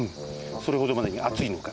それほどまでにあついのか？